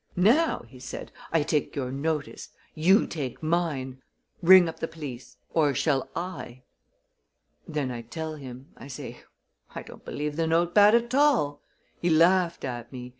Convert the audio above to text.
'Now,' he said, 'I take your notice! You take mine! Ring up the police! Or shall I?' "Then I tell him. I say: 'I don't believe the note bad at all!' He laughed at me.